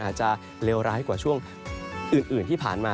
อาจจะเลวร้ายกว่าช่วงอื่นที่ผ่านมา